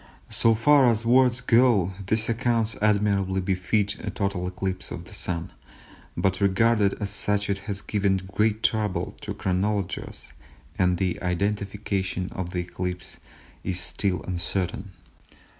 So far as words go these accounts admirably befit a total eclipse of the Sun, but regarded as such it has given great trouble to chronologers, and the identification of the eclipse is still uncertain.